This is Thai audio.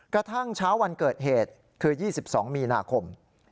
กระทั่งเช้าวันเกิดเหตุคือ๒๒มีนาคม